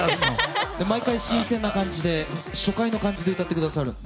毎回新鮮な感じで、初回の感じで歌ってくださるんで。